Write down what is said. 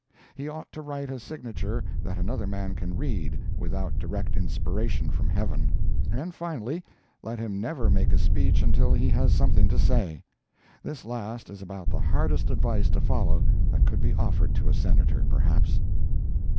He ought to write a signature that another man can read, without direct inspiration from heaven. And finally, let him never make a speech until he has something to say. This last is about the hardest advice to follow that could be offered to a Senator, perhaps.